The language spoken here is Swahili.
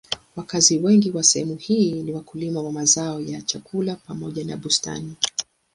Wakazi wengi wa sehemu hii ni wakulima wa mazao ya chakula pamoja na bustani.